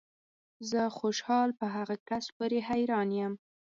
زه خوشحال په هغه کس پورې حیران یم